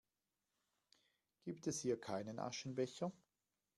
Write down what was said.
Gibt es hier keinen Aschenbecher?